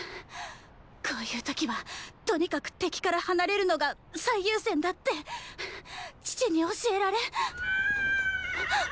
こういう時はとにかく敵から離れるのが最優先だってハァッ父に教えられ。